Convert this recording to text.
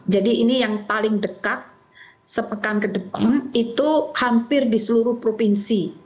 jadi ini yang paling dekat sepekan ke depan itu hampir di seluruh provinsi